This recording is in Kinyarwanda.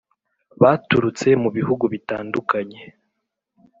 Baturutse mu bihugu bitandukanye